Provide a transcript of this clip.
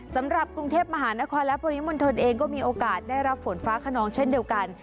สำหรับกรุงเทพมหานครและปริมณฑลเองก็มีโอกาสได้รับฝนฟ้าขนองเช่นเดียวกัน